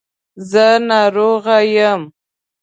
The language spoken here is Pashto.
زه ناروغ یم